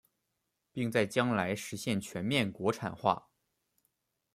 并在将来实现全面国产化。